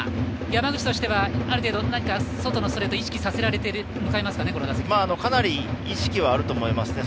山口としてはある程度外のストレートを意識させられてこの打席に向かいますかね。